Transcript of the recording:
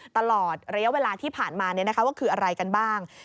ตลอดระยะเวลาที่ผ่านมาว่าคืออะไรกันบ้าง